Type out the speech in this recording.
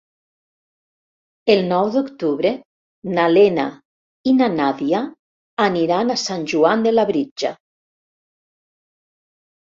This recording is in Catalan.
El nou d'octubre na Lena i na Nàdia aniran a Sant Joan de Labritja.